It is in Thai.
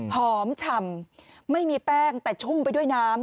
ฉ่ำไม่มีแป้งแต่ชุ่มไปด้วยน้ำ